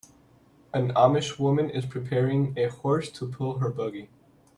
An Amish woman is preparing a horse to pull her buggy.